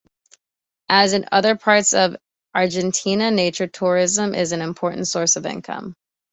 As in other parts of Argentina, nature tourism is an important source of income.